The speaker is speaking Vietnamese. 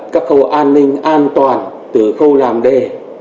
các khâu an ninh an toàn từ khâu làm đề